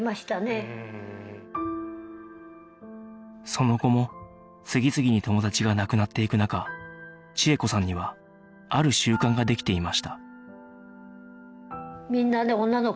その後も次々に友達が亡くなっていく中千枝子さんにはある習慣ができていました